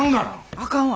あかんわ。